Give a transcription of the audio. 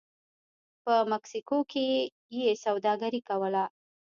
په مکسیکو کې یې سوداګري کوله